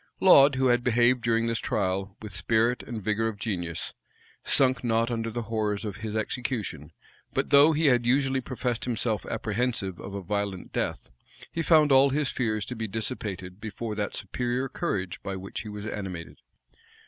Laud, who had behaved during his trial with spirit and vigor of genius, sunk not under the horrors of his execution but though he had usually professed himself apprehensive of a violent death, he found all his fears to be dissipated before that superior courage by which he was animated.